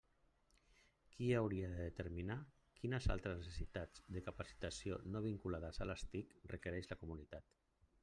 Qui hauria de determinar quines altres necessitats de capacitació no vinculades a les TIC requereix la comunitat?